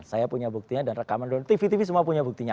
saya punya buktinya dan rekaman dulu tv tv semua punya buktinya